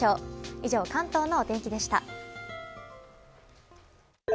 以上、関東のお天気でした。